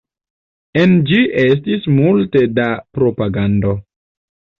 En ĝi estis multe da propagando.